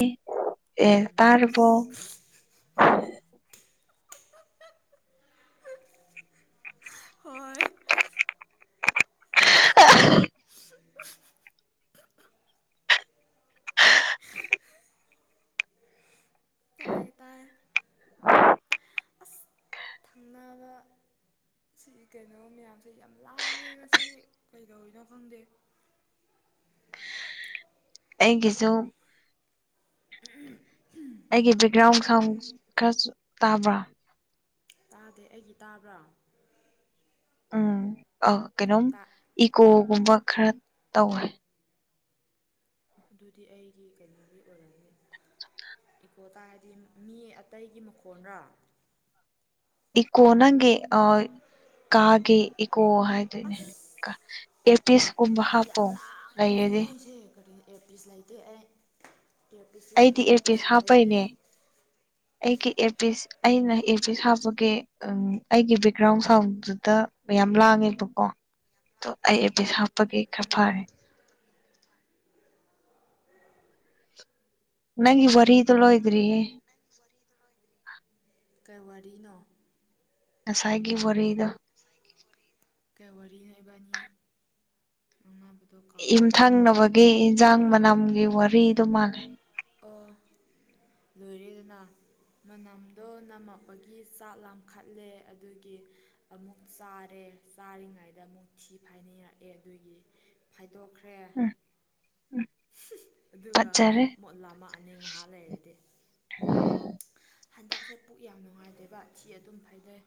ꯑꯦ ꯎꯝ ꯇꯥꯔꯕꯣ ꯇꯁ [unintelligible] [unintelligible] ꯍꯣꯏ [unintelligible] ꯄꯥꯏ ꯇꯥꯏ ꯅꯋꯥ [unintelligible] ꯁꯤ ꯀꯩꯅꯣ ꯃꯌꯥꯝꯁꯦ ꯌꯥꯝ ꯂꯥꯡꯉꯦ ꯃꯁꯤ ꯀꯩꯗꯧꯔꯤꯅꯣ ꯈꯪꯗꯦ ꯑꯩꯒꯤꯁꯨ [unintelligible] ꯑꯩꯒꯤ ꯕꯦꯛꯒ꯭ꯔꯥꯎꯟ ꯁꯥꯎꯟ ꯈꯔꯁꯨ ꯇꯥꯕ꯭ꯔꯥ ꯇꯥꯗꯦ ꯑꯩꯒꯤ ꯇꯥꯕ꯭ꯔꯥ ꯎꯝ ꯑꯣ ꯀꯦꯅꯣ ꯇ ꯏꯀꯣꯒꯨꯝꯕ ꯈꯔ ꯇꯧꯋꯦ ꯑꯗꯨꯗꯤ ꯑꯩꯒꯤ ꯀꯔꯤꯒꯤ ꯑꯣꯏꯔꯝꯃꯤ ꯏꯀꯣ ꯇꯥꯔꯗꯤ ꯃꯤ ꯑꯇꯩꯒꯤ ꯃꯈꯣꯟꯔꯣ ꯏꯀꯣ ꯅꯪꯒꯤ ꯑ ꯀꯥꯒꯦ ꯏꯀꯣ ꯍꯥꯏꯗꯣꯏꯅꯦ ꯀ ꯑꯁ ꯑꯦꯔꯄꯤꯁ ꯀꯨꯝꯕ ꯌꯥꯝ ꯂꯥꯡꯉꯦ ꯃꯣꯏꯁꯦ ꯀꯔꯤ ꯏꯌꯥꯔꯄꯤꯁ ꯂꯩꯇꯦ ꯑꯩ ꯀꯔꯄꯤꯤꯁ ꯑꯩꯗꯤ ꯂꯩꯅꯕ ꯑꯦꯔꯄꯤꯁ ꯄꯩꯁꯥ ꯂꯩꯇꯦ ꯍꯥꯞꯄꯩꯅꯦ ꯑꯩꯒꯤ ꯑꯦ ꯄꯁ ꯑꯩꯅ ꯑꯦ ꯄꯤꯁ ꯍꯥꯞꯄꯒꯦ ꯎꯝ ꯑꯩꯒꯤ ꯕꯦꯛꯒ꯭ꯔꯥꯎꯟ ꯁꯥꯎꯟꯗꯨꯗ ꯃꯌꯥꯝ ꯂꯥꯡꯉꯦꯕꯀꯣ ꯑꯣ ꯑꯩ ꯑꯦꯕꯤꯠ ꯍꯥꯞꯄꯒꯦ ꯈꯔ ꯎꯝ ꯐꯥꯔꯦ ꯅꯪ ꯏꯕꯔꯍꯤꯂꯣꯏꯗ꯭ꯔꯤ ꯅꯪ ꯋꯥꯔꯤ ꯑꯗꯨꯅꯣꯗ꯭ꯔꯤ ꯀꯩ ꯋꯥꯔꯤꯅꯣ ꯉꯁꯥꯏꯒꯤ ꯋꯥꯔꯤꯗꯣ ꯀꯩ ꯋꯥꯔꯤ ꯂꯩꯕꯅꯤ ꯑꯩ ꯌꯨꯝꯊꯪꯅꯕꯒꯤ ꯏꯟꯁꯥꯡ ꯃꯅꯝꯒꯤ ꯋꯥꯔꯤꯗꯣ ꯃꯥꯜꯂꯦ ꯑꯣ ꯂꯣꯏꯔꯤꯗꯨꯅ ꯃꯅꯝꯗꯣ ꯅꯝꯃꯛꯄꯒꯤ ꯆꯥꯛ ꯂꯥꯈꯠꯂꯦ ꯑꯗꯨꯒꯤ ꯑꯃꯨꯛ ꯆꯥꯔꯦ ꯆꯥꯔꯤꯉꯩꯗ ꯑꯃꯨꯛ ꯊꯤ ꯐꯥꯏꯅꯔꯛꯑꯦ ꯑꯗꯨꯒꯤ ꯐꯥꯏꯗꯣꯛꯈ꯭ꯔꯦ ꯎꯝ ꯎꯝ ꯑꯗꯨꯒ ꯐꯠꯖꯔꯦ ꯃꯣꯠꯂ ꯑꯃ ꯑꯅꯤ ꯉꯥꯏꯍꯥꯛ ꯂꯩꯔꯗꯤ ꯍꯟꯗꯛꯁꯦ ꯄꯨꯛ ꯌꯥꯝ ꯅꯨꯡꯉꯥꯏꯇꯦꯕ ꯊꯤ ꯑꯗꯨꯝ ꯐꯩꯗꯩ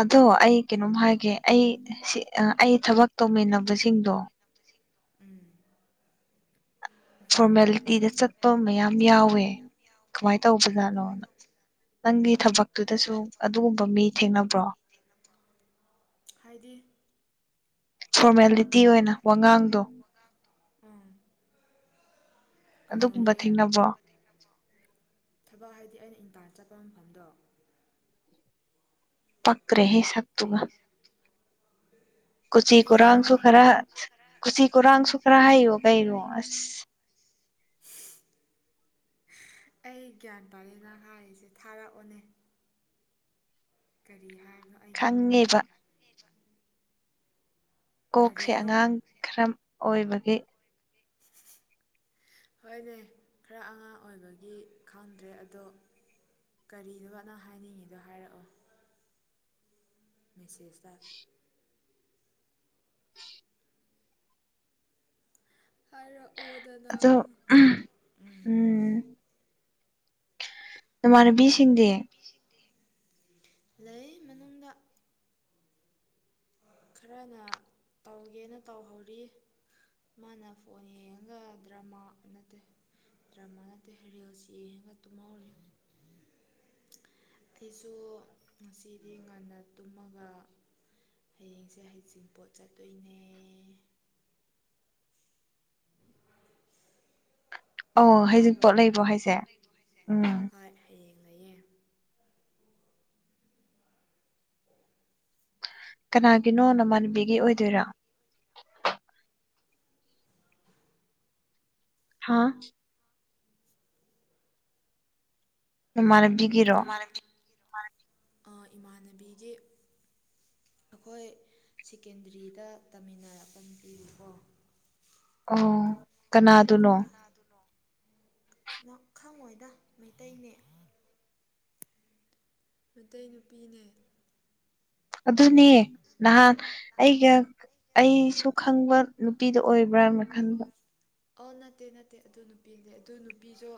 ꯑꯗꯣ ꯑꯩ ꯀꯩꯅꯣꯝ ꯍꯥꯏꯒꯦ ꯑꯩ ꯑꯩ ꯊꯕꯛ ꯇꯧꯃꯤꯟꯅꯕꯁꯤꯡꯗꯣ ꯎꯝ ꯐꯣꯔꯃꯦꯂꯤꯇꯤꯗ ꯆꯠꯄ ꯃꯌꯥꯝ ꯌꯥꯎꯋꯦ ꯀꯃꯥꯏꯅ ꯇꯧꯕꯖꯥꯠꯅꯣ ꯅꯪꯒꯤ ꯊꯕꯛꯇꯨꯗꯁꯨ ꯑꯗꯨꯒꯨꯝꯕ ꯃꯤ ꯊꯦꯡꯅꯕ꯭ꯔꯣ [inaudible] ꯍꯥꯏꯗꯤ ꯐꯣꯔꯃꯦꯂꯤꯇꯤ ꯑꯣꯏꯅ ꯋꯥꯉꯥꯡꯗꯣ ꯑꯝ ꯑꯗꯨꯒꯨꯝꯕ ꯀꯩꯩꯅꯧꯔꯒꯦ ꯊꯦꯡꯅꯕ꯭ꯔꯣ ꯊꯕꯛ ꯍꯥꯏꯗꯤ ꯑꯩꯅ ꯏꯪꯀꯥꯜ ꯆꯠꯄ ꯃꯐꯝꯗꯣ ꯄꯒ꯭ꯔꯦ ꯁꯛꯠꯇꯕ ꯀꯩꯅ ꯀꯨꯔꯥꯡꯁꯨ ꯅ ꯈꯔ ꯀꯔꯅꯁꯨꯨꯈ꯭ꯔꯥ ꯀꯨꯆꯤ ꯀꯨꯔꯥꯡꯁꯨ ꯎꯁꯤ ꯈꯔ ꯍꯥꯏꯌꯣ ꯀꯩꯅꯣ ꯀꯔꯟꯁꯨꯨꯀ꯭ꯔꯥꯒꯩ ꯑꯁ [inaudible] [inaudible] ꯑꯩ ꯒ꯭ꯌꯥꯟ ꯄꯥꯔꯦꯅ ꯍꯥꯏꯔꯤꯁꯦ ꯊꯥꯔꯛꯑꯣꯅꯦ ꯀꯔꯤ ꯍꯥꯏꯕꯅꯣ ꯑꯩ ꯒ꯭ꯌꯥꯟ ꯇꯥꯗꯦ ꯈꯪꯉꯦꯕ ꯀꯣꯛꯁꯦ ꯀꯔꯤꯅꯣ ꯑꯉꯥꯡ ꯈꯔ ꯑꯣꯏꯕꯒꯤ ꯍꯣꯏꯅꯦ ꯈꯔ ꯑꯉꯥꯡ ꯑꯣꯏꯕꯒꯤ ꯈꯪꯗ꯭ꯔꯦ ꯑꯗꯣ ꯀꯔꯤꯗꯨꯣꯅꯪ ꯍꯥꯏꯅꯤꯡꯉꯤꯗꯣ ꯍꯥꯏꯔꯛꯑꯣ ꯃꯦꯁꯦꯖꯇ ꯍꯥꯢꯔꯛꯑꯣꯗꯅ ꯑꯗꯣ ꯎꯝ ꯅꯃꯥꯟꯅꯕꯤꯁꯤꯡ ꯂꯩ ꯃꯅꯨꯡꯗ ꯈꯔꯅ ꯇꯧꯒꯦꯅ ꯇꯧꯍꯧꯔꯤ ꯃꯥꯅ ꯐꯣꯟ ꯌꯦꯡꯉꯒ ꯗ꯭ꯔꯃꯥ ꯅꯠꯇꯦ ꯗ꯭ꯔꯃꯥꯅꯠꯇ ꯍꯔꯦꯜꯁꯤ ꯌꯦꯡꯉꯒ ꯇꯨꯝꯍꯧꯔꯤ ꯁꯤꯁꯨ ꯉꯁꯤꯗꯤ ꯉꯟꯅ ꯇꯨꯝꯃꯒ ꯍꯌꯦꯡꯁꯦ ꯍꯩꯁꯤꯡꯄꯣꯠ ꯆꯠꯇꯣꯏꯅꯦ ꯑꯧ ꯍꯩꯖꯤꯡ ꯇꯥꯕ꯭ꯔꯣ ꯄꯣꯠ ꯑꯣ ꯂꯩꯕ꯭ꯔꯣ ꯍꯥꯏꯁꯦ ꯄꯣꯠ ꯂꯩꯕ꯭ꯔꯣ ꯍꯥꯏꯁꯦ ꯎꯝ ꯍꯣꯏ ꯍꯌꯦꯡ ꯂꯩꯌꯦ ꯀꯅꯥꯒꯤꯅꯣ ꯅꯃꯥꯟꯕꯤꯒꯤ ꯑꯣꯏꯗꯣꯏꯔꯥ ꯍꯥꯥ ꯃꯥꯟꯅꯕꯤꯒꯤꯔꯣ ꯑ ꯏꯃꯥꯟꯅꯕꯤꯒꯤ ꯑꯩꯈꯣꯏ ꯁꯦꯀꯦꯟꯗꯔꯤꯗ ꯇꯥꯃꯤꯟꯅꯔꯛꯄ [unintelligible] ꯑꯣ ꯀꯅꯥ [unintelligible] ꯈꯪꯉꯣꯏꯗ ꯃꯩꯇꯩꯅꯦ ꯃꯩꯇꯩ ꯅꯨꯄꯤꯅꯦ ꯑꯗꯨꯗꯅꯦ ꯅꯍꯥꯟ ꯑꯩꯒ ꯑꯩꯁꯨ ꯈꯪꯕ ꯅꯨꯄꯤꯗ ꯑꯣꯏꯕ꯭ꯔꯥꯅ ꯈꯟꯕ ꯑ ꯅꯠꯇꯦ ꯅꯠꯇꯦ ꯑꯗꯨ ꯅꯨꯄꯤꯗꯤ ꯑꯗꯨ ꯅꯨꯄꯤꯁꯨ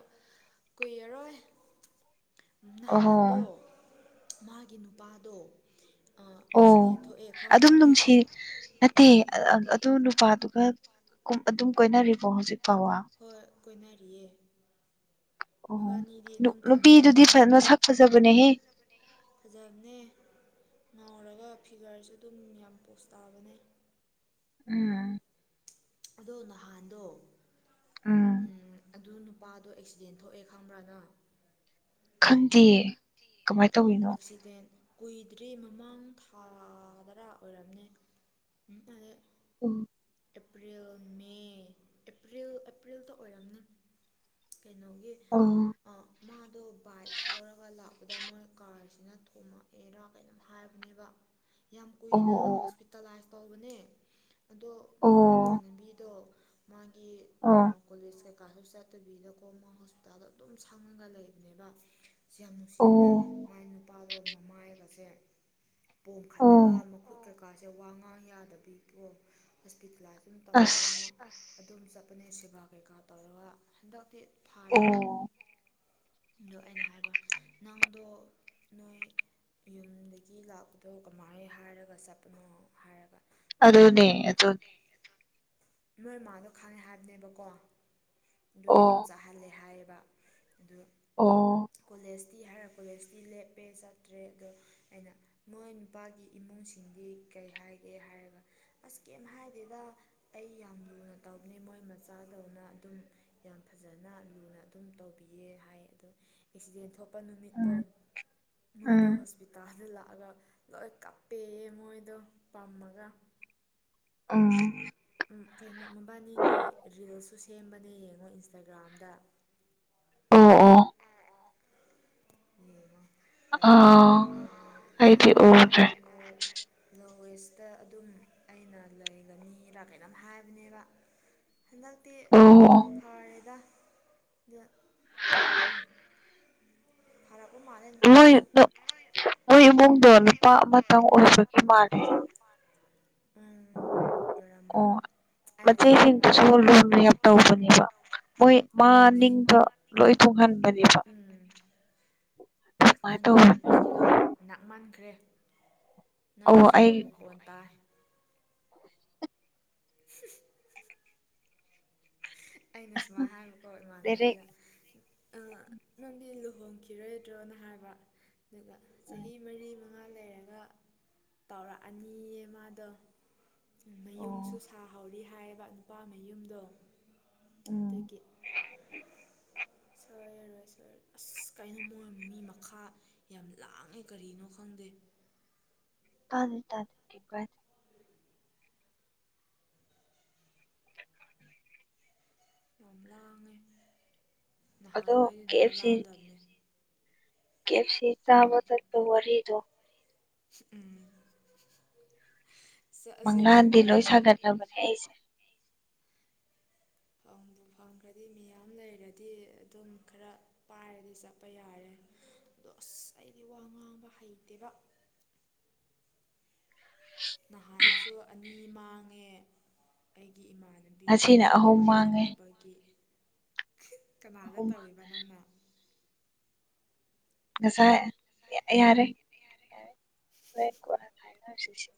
ꯀꯨꯏꯔꯔꯣꯏ ꯑꯣꯍꯣ ꯅꯍꯥꯟꯗꯣ ꯃꯥꯒꯤ ꯅꯨꯄꯥꯗꯣ ꯑꯣ ꯑꯦꯛꯁꯤꯗꯦꯟ ꯊꯣꯛꯑꯦ ꯈꯪꯕ꯭ꯔꯥ ꯑꯗꯨꯝ ꯅꯨꯡꯁꯤ ꯅꯠꯇꯦ ꯑꯗꯨ ꯅꯨꯄꯥꯗꯨꯒ ꯑꯗꯨꯝ ꯀꯣꯏꯅꯔꯤꯕꯣ ꯍꯧꯖꯤꯛ ꯐꯥꯎꯕ ꯍꯣꯏ ꯀꯣꯏꯅꯔꯤꯌꯦ ꯑꯣ ꯃꯕꯥꯅꯤꯗꯤ ꯑꯗꯨꯝ ꯅꯨꯄꯤꯗꯨꯗꯤ ꯊꯨꯡꯅꯔꯅꯤ ꯃꯁꯛ ꯐꯖꯕꯅꯦꯍꯦ ꯐꯖꯕꯅꯦ ꯉꯥꯎꯔꯒ ꯐꯤꯒꯔꯁꯨ ꯑꯗꯨꯝ ꯌꯥꯝ ꯄꯣꯁ ꯇꯥꯕꯅꯦ ꯎꯝ ꯑꯗꯣ ꯅꯍꯥꯟꯗꯣ ꯎꯝ ꯑꯗꯨ ꯃꯥꯗꯣ ꯑꯦꯛꯁꯤꯗꯦꯟ ꯊꯣꯛꯑꯦ ꯈꯪꯕ꯭ꯔ ꯅꯪ ꯈꯪ [unintelligible] ꯑꯦꯛꯁꯤꯗꯦꯟ ꯀꯨꯏꯗ꯭ꯔꯤ ꯃꯃꯥꯡ ꯊꯥꯗꯔꯥ ꯑꯣꯏꯔꯝꯅꯦ ꯎꯝ ꯑꯗ [unintelligible] ꯑꯦꯄ꯭ꯔꯤꯜ ꯃꯦ ꯑꯦꯄ꯭ꯔꯤꯜ ꯑꯦꯄ꯭ꯔꯤꯜꯗ ꯑꯣꯏꯔꯝꯅꯤ ꯀꯩꯅꯣꯒꯤ ꯑꯣ ꯃꯥꯗꯣ ꯕꯥꯏꯛ ꯊꯥꯎꯔꯒ ꯂꯥꯛꯄꯗ ꯃꯣꯏ ꯀꯥꯔꯁꯤꯅ ꯊꯣꯃꯛꯑꯦꯔꯥ ꯀꯩꯅꯣꯝ ꯍꯥꯏꯕꯅꯦꯕ [inaudible] ꯌꯥꯝ ꯀꯨꯏꯅ ꯑꯣ ꯍꯣꯁꯄꯤꯇꯥꯂꯥꯏꯁ ꯇꯧꯕꯅꯦ ꯑꯗꯣ ꯃꯥ ꯑꯣ ꯏꯃꯥꯟꯅꯕꯤꯗꯣ ꯃꯥꯒꯤ ꯑꯣ ꯑꯥ ꯀꯣꯂꯦꯖ ꯀꯩꯀꯥꯁꯨ ꯆꯠꯇꯕꯤꯗꯀꯣ ꯃꯥ ꯍꯣꯁꯄꯤꯇꯥꯜꯗ ꯑꯗꯨꯝ ꯁꯪꯉꯒ ꯂꯩꯕꯅꯦꯕ ꯁꯤ ꯌꯥꯝ ꯅꯨꯡꯁꯤꯕꯅꯦ ꯑꯣ ꯃꯥꯏ ꯅꯨꯄꯥꯗꯣ ꯃꯃꯥꯒꯥꯁꯦ ꯄꯣꯝꯈꯠꯂꯒ ꯑꯣ ꯃꯈꯨꯠ ꯀꯩꯀꯥꯁꯦ ꯋꯥ ꯉꯥꯡ ꯌꯥꯗꯕꯤꯀꯣ ꯍꯣꯁꯄꯤꯇꯥꯂꯥꯏꯁ ꯑꯗꯨꯝ ꯇꯧꯔꯒ ꯑꯃ ꯑꯁ ꯑ ꯑꯗꯨꯝ ꯆꯠꯄꯅꯦ ꯁꯦꯕꯥ ꯀꯩꯀꯥ ꯇꯧꯔꯒ ꯍꯟꯗꯛꯇꯤ ꯐꯥꯔꯦꯗ ꯑꯣ ꯑꯗꯣ ꯑꯩꯅ ꯍꯥꯏꯕ ꯅꯪꯗꯣ ꯅꯣꯏ ꯌꯨꯝꯗꯒꯤ ꯂꯥꯛꯄꯗꯣ ꯀꯃꯥꯏꯅ ꯍꯥꯏꯔꯒ ꯆꯠꯄꯅꯣ ꯍꯥꯏꯔꯒ ꯑꯗꯨꯝ ꯑꯗꯨꯅꯦ ꯑꯗꯨ ꯅꯣꯏ ꯃꯥꯥꯗꯣ ꯈꯪꯉꯦ ꯍꯥꯏꯕꯅꯦꯕꯀꯣ ꯑꯗꯨꯒꯤ ꯑꯗꯨꯝ ꯑꯣ ꯆꯥꯍꯜꯂꯦ ꯍꯥꯏꯌꯦꯕ ꯑꯗꯨ ꯑꯣ ꯀꯣꯂꯦꯖꯇꯤ ꯍꯥꯏꯔ ꯀꯣꯂꯦꯖꯇꯤ ꯂꯦꯞꯄꯦ ꯆꯠꯇ꯭ꯔꯦ ꯑꯗꯣ ꯑꯩꯅ ꯃꯣꯏ ꯅꯨꯄꯥꯒꯤ ꯏꯃꯨꯡꯁꯤꯡꯗꯤ ꯀꯩ ꯍꯥꯏꯒꯦ ꯍꯥꯏꯔꯒ ꯑꯁ ꯀꯩꯝ ꯍꯥꯏꯗꯦꯗ ꯑꯩ ꯌꯥꯝ ꯂꯨꯅ ꯇꯧꯕꯅꯦ ꯃꯣꯏ ꯃꯆꯥꯗꯧꯅ ꯑꯗꯨꯝ ꯌꯥꯝ ꯐꯖꯅ ꯂꯨꯅ ꯑꯗꯨꯝ ꯇꯧꯕꯤꯌꯦ ꯍꯥꯏ ꯑꯗꯣ ꯑꯦꯛꯁꯤꯗꯦꯟ ꯊꯣꯛ ꯄ ꯅꯨꯃꯤꯠꯇꯣ ꯎꯝ ꯃꯣꯏꯗꯣ ꯎꯝ ꯍꯣꯁꯄꯤ ꯇꯥꯜꯗ ꯂꯥꯛꯑꯒ ꯂꯣꯏ ꯀꯞꯄꯦꯌꯦ ꯃꯣꯏꯗꯣ ꯄꯝꯃꯒ ꯎꯝ ꯎꯝ ꯀꯩꯅꯣ ꯃꯕꯥꯅꯤꯒꯤ ꯔꯤꯜꯁꯁꯨ ꯁꯦꯝꯕꯅꯦ ꯌꯦꯡꯉꯣ ꯏꯟꯁꯇꯥꯒ꯭ꯔꯥꯝꯗ ꯑꯣ ꯑꯣ ꯑꯥ ꯑꯩꯗꯤ ꯎꯗ꯭ꯔꯦ [unintelligible] ꯂꯣ ꯋꯦꯁꯇ ꯑꯗꯨꯝ ꯑꯩꯅ ꯂꯩꯒꯅꯤꯔꯥ ꯀꯩꯅꯣꯝ ꯍꯥꯏꯕꯅꯦꯕ ꯍꯟꯗꯛꯇꯤ ꯑꯃꯨꯛ ꯑꯣ ꯐꯥꯎꯔꯦꯗ ꯑꯗꯨꯝ ꯐꯔꯛꯄ ꯃꯥꯜꯂꯦ ꯃꯣꯏ ꯅꯨꯄꯥꯗꯨꯁꯨ [unintelligible] [unintelligible] ꯏꯃꯨꯡꯗꯣ ꯅꯨꯄꯥ ꯑꯃꯇꯪ ꯑꯣꯏꯕꯒꯤ ꯃꯥꯂꯦ ꯎꯝ ꯑꯣꯏꯔꯝꯃꯅꯤ ꯃ ꯑꯩꯅ ꯁꯨꯃꯥꯏ ꯍꯥꯏꯕ ꯆꯦꯁꯤꯁꯨ ꯆꯣꯜꯣ ꯑꯁ ꯇꯧꯕꯅꯦꯕ ꯃꯣꯏ ꯃꯥ ꯅꯤꯡꯗ ꯂꯣꯏ ꯇꯨꯡꯍꯟꯕꯅꯦꯕ ꯎꯝ ꯑꯁ ꯅꯪꯒꯤ ꯇꯧꯕꯅꯦ ꯏꯌꯥꯔꯄꯤꯤꯁꯀꯤꯗꯣ ꯅꯛꯃꯟꯈ꯭ꯔꯦ ꯑꯣ ꯅꯪꯒꯤ ꯑꯩ ꯁꯣꯔ ꯃꯨꯛ ꯐꯣꯟ ꯇꯥꯏ ꯍ ꯑꯩꯅ ꯁꯨꯃꯥꯏꯅ ꯍꯥꯏꯕꯀꯣ ꯗꯥꯏꯔꯦꯛ ꯏꯃꯥꯟꯅꯕꯤꯗ ꯑ ꯅꯪꯗꯤ ꯂꯨꯍꯣꯡꯈꯤꯔꯣꯏꯗ꯭ꯔꯣꯅ ꯍꯥꯏꯕ ꯑꯗꯨꯒ ꯆꯍꯤ ꯎꯝ ꯃꯔꯤ ꯃꯉꯥ ꯂꯩꯔꯒ ꯇꯧꯔꯛꯑꯅꯤꯌꯦ ꯃꯥꯗꯣ ꯃꯌꯨꯝꯁꯨ ꯑꯣ ꯁꯥꯍꯧꯔꯤ ꯍꯥꯏꯕ ꯅꯨꯄꯥ ꯃꯌꯨꯝꯗꯣ ꯎꯝ ꯑꯗꯒꯤ ꯁꯔ ꯌꯥꯔꯣꯏ ꯁꯔ ꯑꯁ ꯀꯩꯅꯣ ꯃ ꯃꯤ ꯃꯈꯥ ꯌꯥꯝ ꯂꯥꯡꯉꯦ ꯀꯔꯤꯅꯣ ꯈꯪꯗꯦ ꯇꯥꯗ ꯇꯥꯗ ꯀꯦ [unintelligible] ꯌꯥꯝ ꯂꯥꯡꯉꯦ ꯑꯗꯣ ꯅꯍꯥꯟꯈꯩ ꯀꯦ ꯑꯗꯨꯃꯥꯏꯅ ꯂꯥꯡꯗꯕꯅꯦ ꯀꯦꯞꯁꯤ ꯎꯝ ꯎꯝ ꯆꯠꯂꯁꯦ ꯃꯪꯂꯥꯟꯗꯤ ꯂꯣꯏ ꯀꯩꯅꯣꯥꯟꯗꯤ ꯂꯣꯏ ꯁꯥꯒꯠꯂꯕꯅꯦ ꯁꯥꯒꯠ ꯑꯩꯁꯦ ꯐꯪꯕꯨ ꯐꯪꯈ꯭ꯔꯗꯤ ꯃꯤꯌꯥꯝ ꯂꯩꯔꯗꯤ ꯑꯗꯨꯝ ꯈꯔ ꯄꯥꯏꯔꯗꯤ ꯆꯠꯄ ꯌꯥꯔꯦ ꯑꯗꯣ ꯑꯁ ꯑꯩꯗꯤ ꯋꯥ ꯉꯥꯡꯕ ꯍꯩꯇꯦꯕ ꯅꯍꯥꯟꯁꯨ ꯑꯅꯤ ꯃꯥꯡꯉꯦ ꯑꯩꯒꯤ ꯏꯃꯥꯗꯨꯅ ꯂꯝꯥꯕꯤꯗꯣ ꯉꯁꯤꯅ ꯑꯍꯨꯝ ꯃꯥꯡꯉꯦ ꯄꯥꯈꯠꯇꯕꯒꯤ ꯀꯅꯥꯗ ꯑꯍꯨꯝ ꯃꯥꯡ- ꯇꯧꯕ ꯅꯪꯅ ꯉꯁꯥꯏ ꯌꯥꯔꯦ ꯌꯥꯔꯦ ꯔꯦ ꯀꯣꯅ ꯊꯥꯏꯅꯔꯁꯤ ꯁꯤ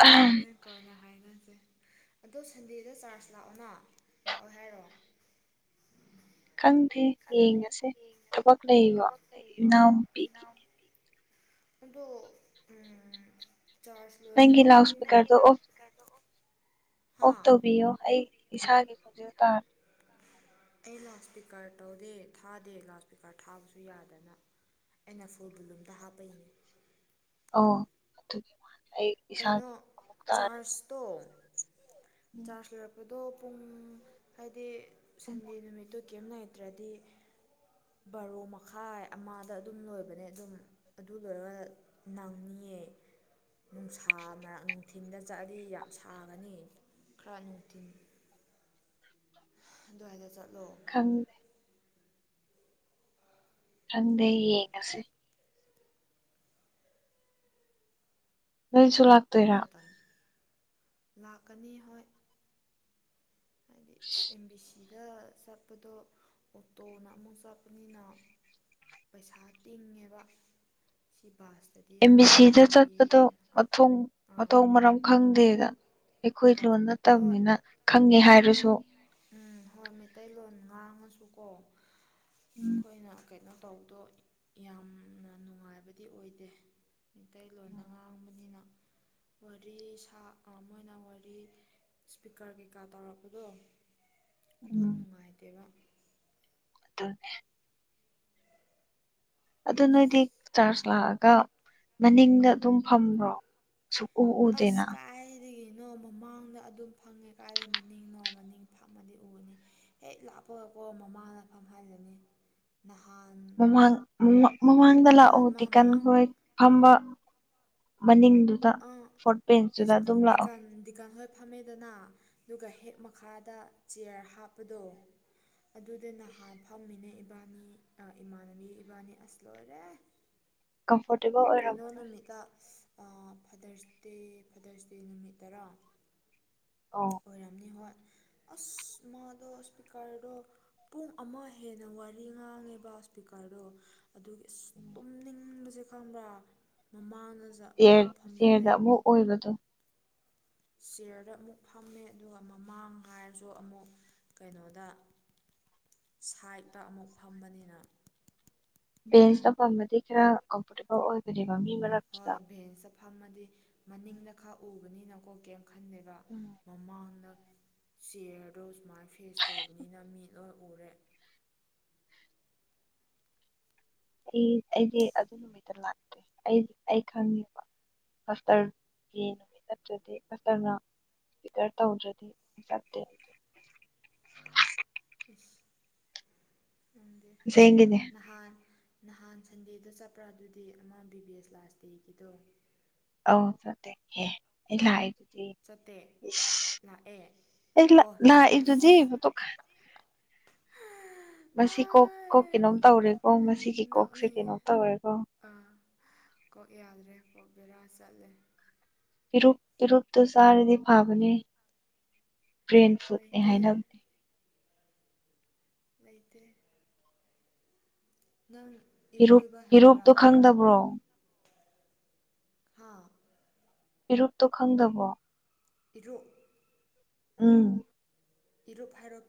ꯐꯔ ꯀꯅ ꯍꯥꯏꯅꯁꯦ ꯑꯗꯣ ꯁꯟꯗꯦꯗ ꯆꯥꯔꯖ ꯂꯥꯛꯑꯣꯅ ꯂꯥꯛꯑꯣ ꯍꯥꯏꯔꯣ ꯀꯪꯊꯤ ꯈꯪꯗꯦ ꯌꯦꯡꯉꯁꯦ ꯊꯕꯛ ꯂꯩꯕꯣ ꯏꯅꯥꯎꯅꯨꯄꯤꯒꯤ ꯏꯅꯥꯎꯄꯤꯤ ꯑꯗꯣ ꯎꯝ ꯆꯥꯖ ꯗꯣ ꯅꯪꯒꯤ ꯂꯥꯎꯠ ꯄꯨꯡꯅꯒ ꯏꯁꯄꯤꯀꯔꯗꯣ ꯑꯣꯐ ꯂꯁꯄꯤ ꯀꯥꯏꯗ ꯑꯣꯐ ꯇꯧꯕꯤꯌꯣ ꯑꯩ ꯏꯁꯥꯒꯤ ꯈꯣꯟꯖꯦꯜ ꯇꯥꯔ ꯑꯩ ꯂꯥꯎꯠ ꯏꯁꯄꯤꯀꯔ ꯇꯧꯗꯦ ꯊꯥꯗꯦ ꯂꯥꯎꯠ ꯏꯁꯄꯤꯀꯔ ꯊꯥꯕꯁꯨ ꯌꯥꯗꯅ ꯑꯩꯅ ꯐꯨꯜ ꯕꯨꯂꯨꯝꯗ ꯍꯥꯞꯄꯩꯅꯦ ꯑ ꯀꯩꯅꯣ ꯑꯃꯨꯛ ꯇꯥꯔꯦ ꯆꯥꯔꯖꯇꯣ ꯎꯝ ꯆꯥꯔꯖ ꯑꯗꯣ ꯄꯨꯡ ꯍꯥꯏꯗꯤ ꯎꯝ. ꯁꯟꯗꯦ ꯅꯨꯃꯤꯠꯇꯨ ꯀꯔꯤꯝ ꯂꯩꯅꯥꯇ꯭ꯔꯗꯤ ꯕꯥꯔꯣ ꯃꯈꯥꯏ ꯑꯃꯗ ꯑꯗꯨꯝ ꯂꯣꯏꯕꯅꯦ ꯑꯗꯨꯝ ꯑꯗꯨꯗꯨꯒ ꯅꯪꯅꯤꯡꯌꯦꯦ ꯅꯨꯡꯁꯥ ꯃꯔꯛ ꯅꯨꯡꯊꯤꯟꯗ ꯆꯠꯂꯗꯤ ꯌꯥꯝ ꯁꯥꯒꯅꯤ ꯈꯔ ꯅꯨꯡꯊꯤꯟ ꯑꯗꯨꯃꯥꯏꯅ ꯆꯠꯂꯣ ꯍꯪ [unintelligible] ꯆꯪꯗꯦ ꯌꯦꯡꯉꯁꯤꯦ ꯃꯁꯨꯂꯥꯛ ꯑꯗꯨ ꯃꯇ ꯂꯥꯛꯀꯅꯤ ꯍꯣꯏ ꯍꯥꯏꯗꯤ ꯑꯦꯝ ꯕꯤ ꯁꯤꯗ ꯆꯠꯄꯗꯣ ꯑꯣꯇꯣꯅ ꯑꯃꯨꯛ ꯆꯠꯄꯅꯤꯅ ꯄꯩꯁꯥ ꯇꯤꯡꯉꯦꯕ ꯁꯤ ꯕꯥꯁꯇꯗꯤ ꯑꯦꯝ ꯕꯤ ꯃꯣꯏꯅ ꯁꯤꯗ ꯑꯗꯨꯝ ꯄꯤꯕꯅꯤꯅ ꯆꯠꯄꯗꯣꯊꯣꯡ ꯑꯥ ꯃꯊꯧ ꯃꯔꯝ ꯈꯪꯗꯦꯗ ꯑꯩꯈꯣꯏ ꯂꯣꯟ ꯍꯣꯏ ꯅꯠꯇꯕꯅꯤꯅ ꯈꯪꯉꯦ ꯍꯣꯏ ꯍꯥꯏꯔꯁꯨ ꯎꯝ ꯍꯣꯏ ꯃꯩꯇꯩꯂꯣꯟ ꯉꯥꯡꯉꯁꯨꯀꯣ ꯎꯝ ꯑꯩꯈꯣꯏꯅ ꯀꯩꯅꯣ ꯇꯧꯕꯗꯣ ꯌꯥꯝꯅ ꯅꯨꯡꯉꯥꯏꯕꯗꯤ ꯑꯣꯏꯗꯦ ꯃꯩꯂꯣꯟꯗ ꯉꯥꯡꯕꯅꯤꯅ ꯋꯥꯔꯤ ꯁꯥ ꯑꯃ ꯑꯣꯏꯅ ꯋꯥꯔꯤ ꯏꯁꯄꯤꯀꯔ ꯀꯩꯀꯥ ꯇꯧꯔꯛꯄꯗꯣ ꯑꯗꯨ ꯎꯝ ꯅꯨꯡꯉꯥꯏꯇꯦꯕ ꯑꯗꯨ [inaudible] ꯑꯗꯨ ꯅꯣꯏꯗꯤ ꯆꯥꯔꯖ ꯂꯥꯛꯑꯒ ꯃꯅꯤꯡꯗ ꯑꯗꯨꯝ ꯐꯝꯕ꯭ꯔꯣ ꯁꯨꯛꯎ ꯑꯁ ꯎꯗꯦꯅ ꯀꯥꯏ ꯀꯒꯤꯅꯣ ꯃꯃꯥꯡꯗ ꯑꯗꯨꯝ ꯐꯪꯉꯦ ꯀꯥꯏꯔꯦ ꯃꯅꯤꯡ ꯅꯎ ꯃꯅꯤꯡ ꯐꯝꯃꯗꯤ ꯎꯕꯅꯤ ꯍꯦꯛ ꯂꯥꯞꯄꯒꯀꯣ ꯃꯃꯥꯗ ꯐꯪ ꯍꯥꯏꯖꯅꯤ ꯅꯍꯥꯟ ꯃꯃꯥꯡ ꯃꯃꯥꯡꯗ ꯅꯍꯥꯟ ꯂꯥꯛꯑꯣ ꯃꯃꯥꯡ ꯇꯤꯀꯥꯟꯈꯣꯏ ꯐꯝꯕ ꯃꯅꯤꯡꯗꯨꯗ ꯐꯣꯔꯠ ꯄꯦꯟꯁꯇꯨꯗ ꯑꯗꯨꯝ ꯂꯥꯛꯑꯣ ꯗꯤꯀꯥ [inaudible] ꯐꯝꯃꯦꯗꯅ ꯑꯗꯨꯒ ꯍꯦꯛ ꯃꯈꯥꯗ ꯆꯤꯌꯔ ꯍꯥꯞꯄꯗꯣ ꯑꯗꯨꯗ ꯅꯍꯥꯟ ꯐꯝꯃꯤꯅꯦ ꯏꯕꯥꯅꯤ ꯏꯃꯥꯟꯅꯕꯤ ꯏꯕꯥꯅꯤ ꯑꯁ ꯂꯣꯏꯔꯦ ꯀꯝꯐꯣꯔꯇꯦꯕꯜ ꯀꯩꯅꯣ ꯑꯣꯏꯔꯝꯃꯅꯤ ꯅꯨꯃꯤꯠꯇ ꯐꯥꯗꯔꯁꯗꯦ ꯐꯥꯗꯔꯁꯗꯦ ꯅꯨꯃꯤꯠ ꯇꯔꯥ ꯑꯣ ꯑꯣꯏꯔꯝꯅꯤ ꯍꯣꯏ ꯑꯁ ꯃꯥꯗꯣ ꯏꯁꯄꯤꯀꯔꯗꯣ ꯄꯨꯡ ꯑꯃ ꯍꯦꯟꯅ ꯋꯥꯔꯤ ꯉꯥꯡꯉꯦꯕ ꯏꯁꯄꯤꯀꯔꯗꯣ ꯑꯗꯨꯒꯤ ꯑꯁ ꯇꯨꯝ ꯅꯤꯡꯕꯁꯦ ꯈꯪꯕ꯭ꯔꯥ ꯃꯃꯥꯡꯗꯁꯨ ꯑꯃꯨꯛ ꯐꯝꯖꯤꯜꯂꯦ ꯑꯣꯏꯒꯗ ꯆꯤꯌꯔꯗ ꯑꯃꯨꯛ ꯐꯝꯃꯦ ꯑꯗꯨꯒ ꯃꯃꯥꯡ ꯍꯥꯏꯔꯁꯨ ꯑꯃꯨꯛ ꯀꯩꯅꯣꯗ ꯁꯥꯏꯠꯇ ꯑꯃꯨꯛ ꯐꯝꯕꯅꯤꯅ ꯕꯦꯟꯁꯇ ꯄꯥꯝꯕꯗꯤ ꯈꯔ ꯀꯝꯐꯣꯔꯇꯦꯕꯜ ꯑꯣꯏꯒꯅꯦꯕ ꯃꯤ ꯃꯔꯛ ꯍꯣꯏ ꯚꯦꯟꯁꯇ ꯐꯝꯃꯗꯤ ꯃꯅꯤꯡꯗ ꯈꯔ ꯎꯕꯅꯤꯅꯀꯣ ꯀꯦꯞ ꯈꯟꯗꯒ ꯃꯃꯥꯡꯗ ꯆꯦꯌꯔꯗꯣ ꯁꯨꯃꯥꯏꯅ ꯐꯦꯁ ꯇꯧꯕꯅꯤꯅ ꯃꯤ ꯂꯣꯏ ꯎꯔꯦ ꯑꯩ ꯑꯩꯗꯤ ꯑꯗꯨ ꯅꯨꯃꯤꯠꯇ ꯂꯥꯛꯇꯦ ꯑꯩꯗꯤ ꯑꯩ ꯈꯪꯉꯦꯕ ꯀꯁꯇꯔꯒꯤ ꯅꯨꯃꯤꯠ ꯅꯠꯇ꯭ꯔꯗꯤ ꯀꯁꯇꯔꯅ ꯐꯤꯇꯔ ꯇꯧꯗ꯭ꯔꯗꯤ ꯑꯩ ꯆꯠꯇꯦ ꯐꯁ ꯅꯪꯗꯦ ꯁ ꯍꯡꯗꯦ [inaudible] ꯅꯍꯥꯟ ꯅꯍꯥꯟ ꯁꯟꯗꯦꯗ ꯆꯠꯄ꯭ꯔꯥ ꯑꯗꯨꯗꯤ ꯑꯃ ꯕꯤ ꯕꯤ ꯑꯦꯁ ꯂꯥꯁ ꯗꯦꯒꯤꯗꯣ ꯑꯧ ꯐꯗꯦꯍꯦ ꯑꯩ ꯂꯥꯛꯑꯦ ꯑꯗꯨꯗꯤ ꯆꯠꯇꯦ ꯏꯁ ꯂꯥꯛꯑꯦ ꯑꯩ ꯑꯣ ꯆꯨꯝꯃꯦ ꯂꯛꯢꯗꯨꯗꯤ ꯊꯕꯛ ꯃꯁꯤ ꯀꯣꯛ ꯀꯣꯛ ꯀꯩꯅꯣꯝ ꯇꯧꯔꯦꯀꯣ ꯃꯁꯤꯒꯤ ꯀꯣꯛꯁꯦ ꯅꯣꯛꯅꯤꯡꯉꯤ ꯀꯩꯅꯣꯝ ꯇꯧꯔꯦꯀꯣ ꯑꯥ ꯀꯣꯛ ꯌꯥꯗ꯭ꯔꯦ ꯀꯣꯛ ꯕꯦꯔꯥ ꯆꯠꯂꯦ ꯄꯤꯔꯨꯛ ꯄꯦꯔꯇꯨ ꯆꯥꯔꯗꯤ ꯐꯥꯕꯅꯦ ꯕ꯭ꯔꯦꯟ ꯐꯨꯗꯅꯦ ꯂꯩꯇꯦ ꯍꯥꯏꯅꯕꯅꯦ ꯂꯩꯇꯦ ꯅꯪ ꯄꯤꯔꯨꯛ ꯏꯔꯣꯏꯕ ꯍꯩꯕ꯭ꯔꯥ ꯄꯤꯔꯨꯛꯇꯣ ꯈꯪꯗꯕ꯭ꯔꯣ ꯈꯥ ꯄꯤꯔꯨꯞꯇꯣ ꯈꯪꯗꯕꯣ ꯄꯦꯔꯨꯛ ꯎꯝ ꯕꯦꯔꯣꯞ ꯍꯥꯏꯔꯣ